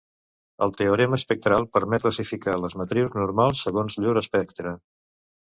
El Teorema espectral permet classificar les matrius normals segons llur espectre.